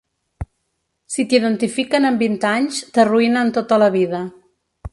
Si t’identifiquen amb vint anys, t’arruïnen tota la vida.